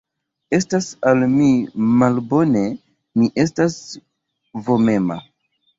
Estas al mi malbone, mi estas vomema.